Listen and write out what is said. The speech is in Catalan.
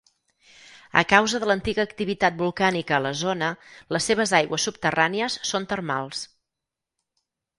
A causa de l'antiga activitat volcànica a la zona les seves aigües subterrànies són termals.